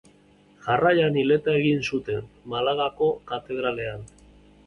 Jarraian hileta egin zuten, Malagako Katedralean.